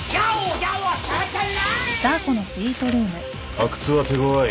阿久津は手ごわい。